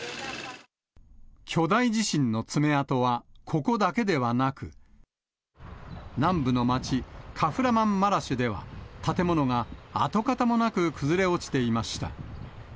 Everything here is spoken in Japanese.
巨大地震の爪痕は、ここだけではなく、南部の街、カフラマンマラシュでは、建物が跡形もなく崩れ落ちていました。